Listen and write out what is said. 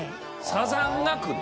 サザンがくる。